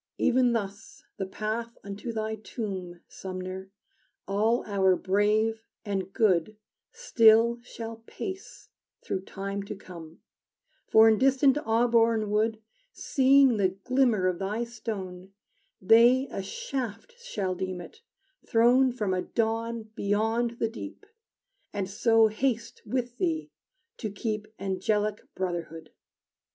Ev'n thus the path unto thy tomb, Sumner, all our brave and good Still shall pace through time to come, For in distant Auburn wood Seeing the glimmer of thy stone, They a shaft shall deem it, thrown From a dawn beyond the deep, And so haste with thee to keep Angelic brotherhood!